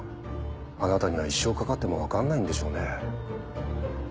あなたには一生かかっても分かんないんでしょうね。